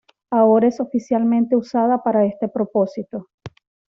Ahora es oficialmente usada para este propósito.